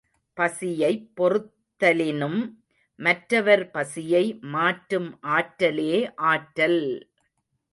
பசியைப் பொறுத்தலினும் மற்றவர் பசியை மாற்றும் ஆற்றலே ஆற்றல்!